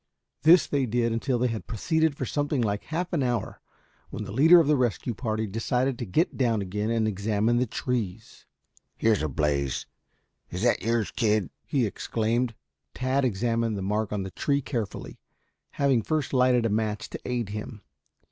This they did until they had proceeded for something like half an hour, when the leader of the rescue party decided to get down again and examine the trees. "Here's a blaze. Is that yours, kid?" he exclaimed. Tad examined the mark on the tree carefully, having first lighted a match to aid him.